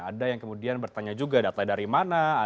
ada yang kemudian bertanya juga data dari mana